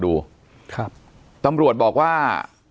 ดูครับตำรวจบอกว่า